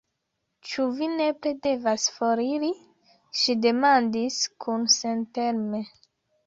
Ĉu vi nepre devas foriri? ŝi demandis kunsenteme.